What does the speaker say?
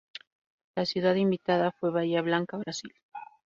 La ciudad invitada fue Bahía Blanca, Brasil.